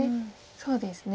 そうですね。